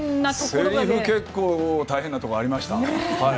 セリフ結構大変なところありました。